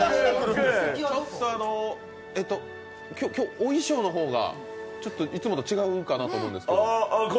今日、お衣装の方がいつもと違うかなと思うんですけど。